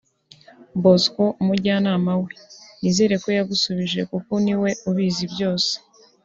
Bosco (Umujyanama we) nizere ko yagusubije kuko niwe ubizi byose